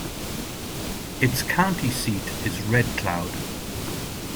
Its county seat is Red Cloud.